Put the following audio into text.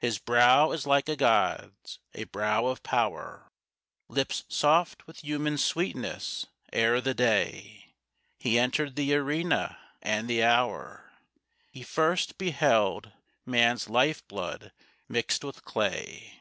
His brow is like a god's a brow of power, Lips soft with human sweetness ere the day He entered the arena, and the hour He first beheld man's life blood mixed with clay.